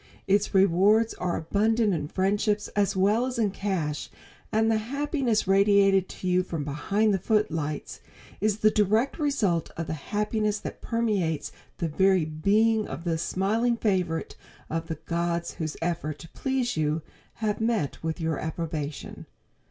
Its rewards are abundant in friendships as well as in cash, and the happiness radiated to you from behind the footlights is the direct result of the happiness that permeates the very being of the smiling favorite of the gods whose efforts to please you have met with your approbation.